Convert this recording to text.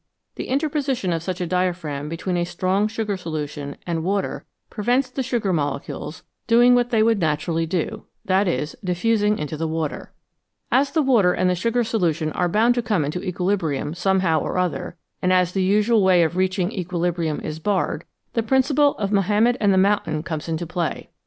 The interposition of such a diaphragm between a strong sugar solution and water prevents the sugar molecules doing what they would 304 FACTS ABOUT SOLUTIONS naturally do that is, diffusing into the water. As the water and the sugar solution are bound to come into equili brium somehow or other, and as the usual way of reaching equilibrium is barred, the principle of Mahomet and the mountain comes into play.